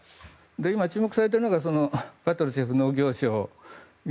今、注目されているのがパトルシェフ氏の息子。